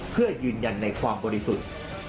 เพื่อยืนยันในความบริสุทธิ์